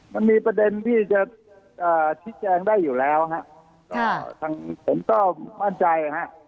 มันมีประเด็นที่จะชี้แจงได้อยู่แล้วฮะก็ทางผมก็มั่นใจนะฮะ